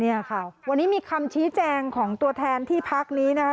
เนี่ยค่ะวันนี้มีคำชี้แจงของตัวแทนที่พักนี้นะคะ